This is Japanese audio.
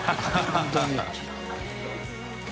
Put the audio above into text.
本当に。